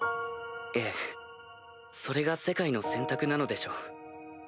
ええそれが世界の選択なのでしょう。